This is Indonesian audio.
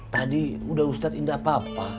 tadi udah ustadz indah apa apa